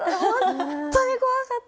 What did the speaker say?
本当に怖かった。